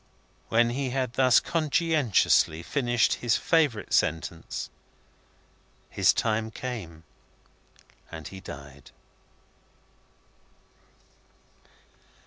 When he had thus conscientiously finished his favourite sentence, his time came, and he died.